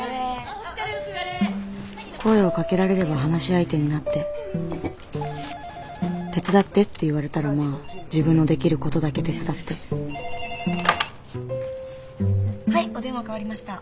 声をかけられれば話し相手になって手伝ってって言われたらまあ自分のできることだけ手伝ってはいお電話代わりました。